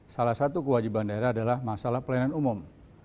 salah satu kewajiban daerah adalah masalah pelayanan umum